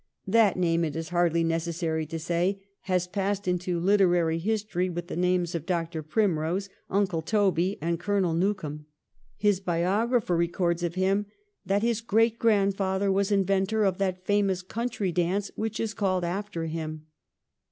That name, it is hardly necessary to say, has passed into literary history with the names of Dr. Primrose, Uncle Toby, and Colonel Newcome. His biographer records of him that ' his great grandfather was inventor of that famous country dance which is called after him.'